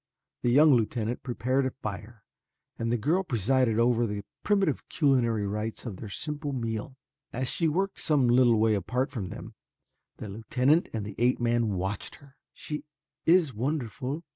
The young lieutenant prepared a fire, and the girl presided over the primitive culinary rights of their simple meal. As she worked some little way apart from them, the lieutenant and the ape man watched her. "She is wonderful.